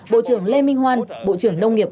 bộ trưởng lê minh hoan bộ trưởng nông nghiệp